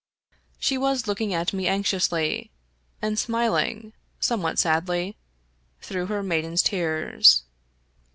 She was looking at me anxiously, and smiling — ^somewhat sadly — through her maiden's tears.